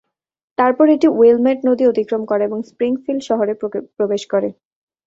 তারপর এটি উইলেমেট নদী অতিক্রম করে এবং স্প্রিংফিল্ড শহরে প্রবেশ করে।